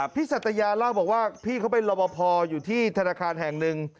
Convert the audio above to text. สัตยาเล่าบอกว่าพี่เขาเป็นรอบพออยู่ที่ธนาคารแห่งหนึ่ง